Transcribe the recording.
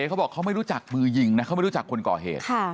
ไอ้เขาบอกเขาไม่รู้จักมือยิงให้เข้าไปจากคนก่อเหตุ